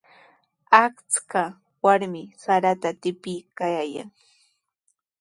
Achka warmi sarata tipiykaayan.